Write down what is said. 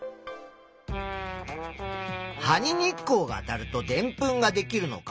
「葉に日光があたるとでんぷんができるのか」